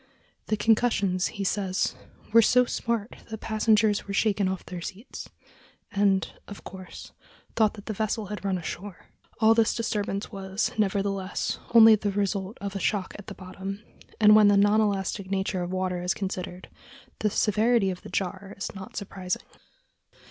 "The concussions," he says, "were so smart that passengers were shaken off their seats, and, of course, thought that the vessel had run ashore." All this disturbance was, nevertheless, only the result of a shock at the bottom; and when the non elastic nature of water is considered, the severity of the jar is not surprising.